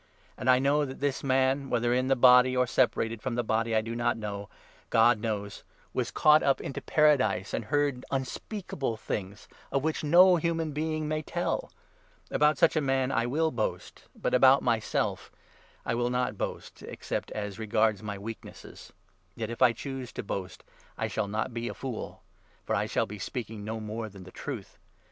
And I know that this man — whether in 3 the body or separated from the body I do not know ; God knows — was caught up into Paradise, and heard unspeakable 4 things of which no human being may tell. About such a 5 man I will boast, but about myself I will not boast except as regards my weaknesses. Yet if I choose to boast, I shall 6 not be a fool ; for I shall be speaking no more than the truth.